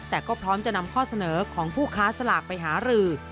แต่ก็พร้อมจะนำข้อเสนอของผู้ค้าสลากไปหารือ